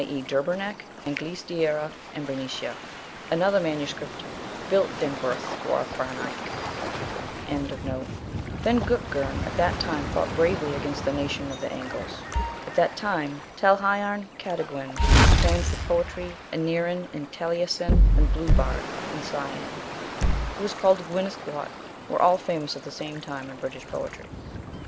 e. Deurabernech; Anglice Diera and Bernicia. Another MS. Built Dinguayrh Guarth Berneich. 62. Then Dutgirn at that time fought bravely against the nation of the Angles. At that time, Talhaiarn Cataguen* was famed for poetry, and Neirin, and Taliesin and Bluchbard, and Cian, who is called Guenith Guaut, were all famous at the same time in British poetry.